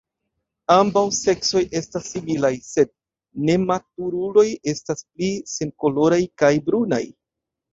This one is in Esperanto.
Ambaŭ seksoj estas similaj, sed nematuruloj estas pli senkoloraj kaj brunaj.